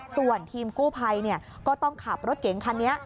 ส่วนทีมกู้ภัยก็ต้องขับรถเก๋งคันนี้